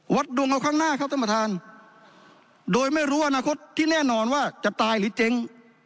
ดวงเอาข้างหน้าครับท่านประธานโดยไม่รู้อนาคตที่แน่นอนว่าจะตายหรือเจ๊ง